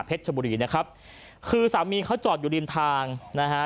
ชบุรีนะครับคือสามีเขาจอดอยู่ริมทางนะฮะ